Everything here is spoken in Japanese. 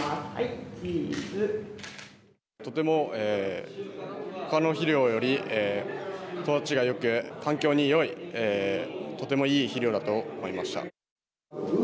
とてもほかの肥料より育ちがよく環境によいとてもいい肥料だと思いました。